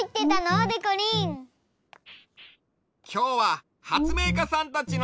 きょうははつめいかさんたちの